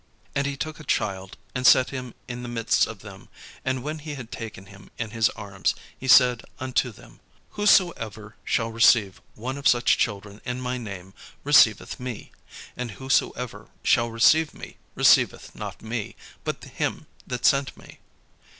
And he took a child, and set him in the midst of them; and when he had taken him in his arms, he said unto them: "Whosoever shall receive one of such children in my name, receiveth me: and whosoever shall receive me, receiveth not me, but him that sent me."